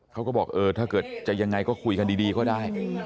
เขาก็บอกเออถ้าเกิดจะยังไงก็คุยกันดีก็ได้